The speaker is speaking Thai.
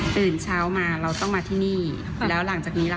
ตื่นเช้ามาเราต้องมาที่นี่แล้วหลังจากนี้ล่ะค